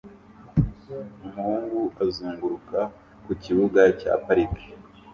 Umuhungu azunguruka ku kibuga cya parike